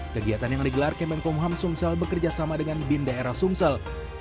kegiatan yang digelar kemenkumham sumsel bekerja sama dengan bin daerah sumsel